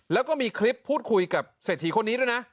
แล้วก็มีคลิปพูดคุยกับเศรษฐีคนนี้ด้วยนะ